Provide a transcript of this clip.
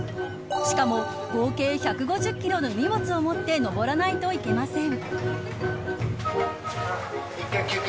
しかも合計１５０キロの荷物を持って登らないといけません。